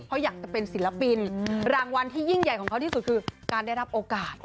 เพราะอยากจะเป็นศิลปินรางวัลที่ยิ่งใหญ่ของเขาที่สุดคือการได้รับโอกาส